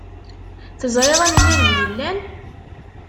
Teẓriḍ amgirred yellan?